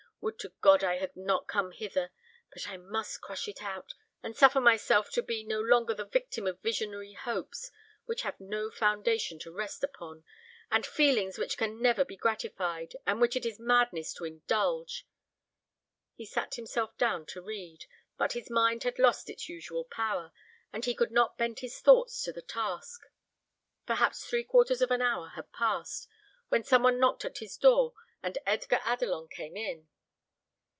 Would to God I had not come hither; but I must crush it out, and suffer myself to be no longer the victim of visionary hopes, which have no foundation to rest upon, and feelings which can never be gratified, and which it is madness to indulge." He sat himself down to read, but his mind had lost its usual power, and he could not bend his thoughts to the task. Perhaps three quarters of an hour had passed, when some one knocked at his door, and Edgar Adelon came in.